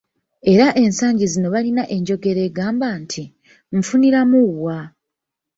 Era ensangi zino balina enjogera egamba nti, "Nfuniramu wa?"